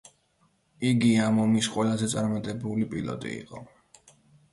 იგი ამ ომის ყველაზე წარმატებული პილოტი იყო.